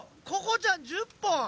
ここちゃん１０本！